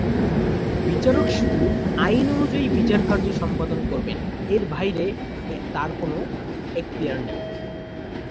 বিচারক শুধু আইন অনুযায়ী বিচারকার্য সম্পন্ন করবেন, এর বাইরে তার এখতিয়ার নেই।